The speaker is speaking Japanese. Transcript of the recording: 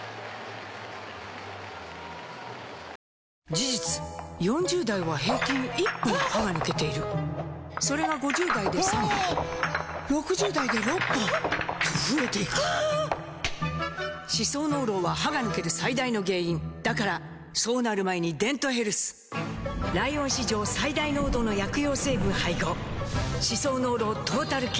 事実４０代は平均１本歯が抜けているそれが５０代で３本６０代で６本と増えていく歯槽膿漏は歯が抜ける最大の原因だからそうなる前に「デントヘルス」ライオン史上最大濃度の薬用成分配合歯槽膿漏トータルケア！